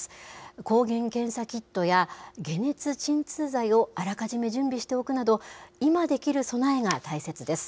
抗原検査キットや解熱鎮痛剤をあらかじめ準備しておくなど、今できる備えが大切です。